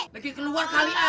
lagi keluar kali ah